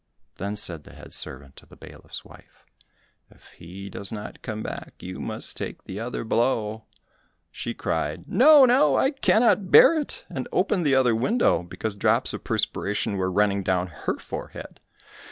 Then said the head servant to the bailiff's wife, "If he does not come back, you must take the other blow." She cried, "No, no I cannot bear it," and opened the other window, because drops of perspiration were running down her forehead.